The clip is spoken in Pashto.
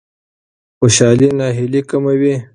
خوشالي ناهیلي کموي.